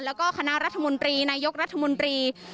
แล้วก็คณะรัฐมนตรีนายกรัฐมนตรี